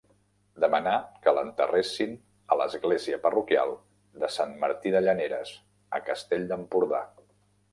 Demanà que l'enterressin a l'església parroquial de Sant Martí de Llaneres, a Castell d'Empordà.